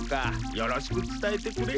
よろしく伝えてくれ。